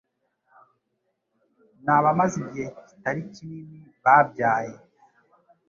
n'abamaze igihe kitari kinini babyaye.